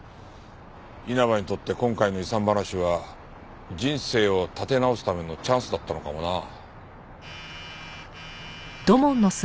稲葉にとって今回の遺産話は人生を立て直すためのチャンスだったのかもな。